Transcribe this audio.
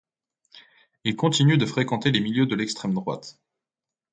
Il continue de fréquenter les milieux de l'extrême droite.